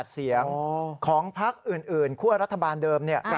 เสียงของพักอื่นคั่วรัฐบาลเดิม